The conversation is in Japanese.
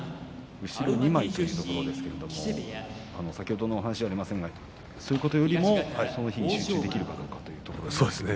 後ろ２枚というところですけれども先ほどのお話じゃありませんがそういうことではなく、その日に集中できるかということですね。